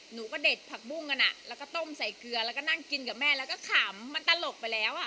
หนูก็เด็ดผักบุ้งกันอ่ะแล้วก็ต้มใส่เกลือแล้วก็นั่งกินกับแม่แล้วก็ขำมันตลกไปแล้วอ่ะ